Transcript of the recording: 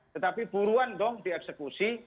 tetapi buruan dong dieksekusi